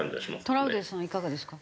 トラウデンさんはいかがですか？